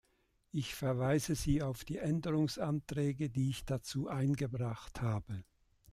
Ich verweise Sie auf die Änderungsanträge, die ich dazu eingebracht habe.